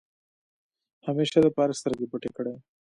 همېشه دپاره سترګې پټې کړې ۔